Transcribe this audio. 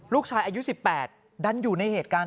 ลูกชายอายุ๑๘ดันอยู่ในเหตุการณ์